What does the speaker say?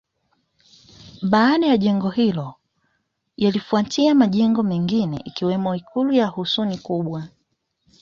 Baada ya jengo hilo yalifuatia majengo mengine ikiwemo Ikulu ya Husuni Kubwa